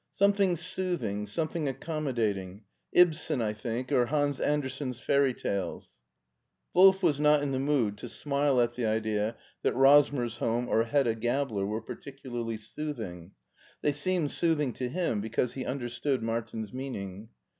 "Something soothing, something accommodating: Ibsen, I think, or Hans Andersen's Fairy Tales. Wolf was not in the mood to smile at the idea that Ro^nersholm or Hedda Gabler were particularly sooth ing: they seemed soothing to him, because he under stood Martin's meaning.